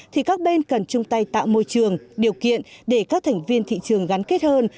thì các bên cần chung tay tạo môi trường điều kiện để các thành viên thị trường gắn kết hơn